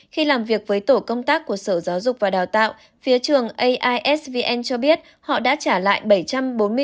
khi làm việc với tổ công tác của sở giáo dục và đào tạo phía trường aisvn cho biết họ đã trả lại